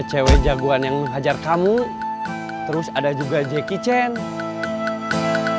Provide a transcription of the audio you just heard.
cewek jagoan yang menghajar kamu terus ada juga jeki tjen's ada petunjuk jibab yang galak sebetulnya dia mau dihentikan